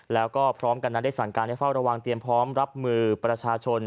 แล้วก็พร้อมกันนั้นได้สั่งการให้เฝ้าระวังเตรียมพร้อมรับมือประชาชน